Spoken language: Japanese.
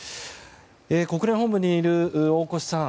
国連本部にいる大越さん。